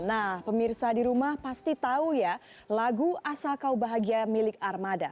nah pemirsa di rumah pasti tahu ya lagu asal kau bahagia milik armada